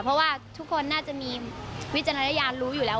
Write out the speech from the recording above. เพราะว่าทุกคนน่าจะมีวิจารณญาณรู้อยู่แล้ว